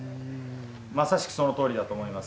まさしくそのとおりだと思います。